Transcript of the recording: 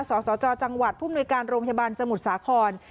สสจจังหวัดผู้มนุยการโรงพยาบาลสมุทรสาคร